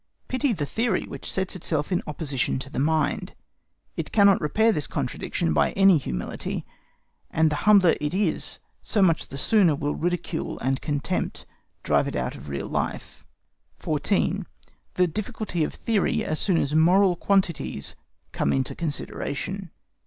Pity the theory which sets itself in opposition to the mind! It cannot repair this contradiction by any humility, and the humbler it is so much the sooner will ridicule and contempt drive it out of real life. 14. THE DIFFICULTY OF THEORY AS SOON AS MORAL QUANTITIES COME INTO CONSIDERATION.